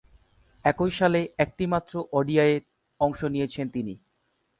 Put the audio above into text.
একই সালে একটিমাত্র ওডিআইয়ে অংশ নিয়েছেন তিনি।